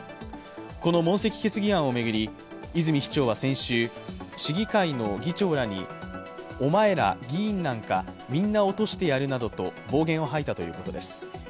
この問責決議案を巡り、泉市長は先週、市議会の議長らに、お前ら議員なんか、みんな落としてやるなどと暴言を吐いたということです。